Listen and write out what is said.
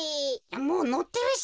もうのってるし。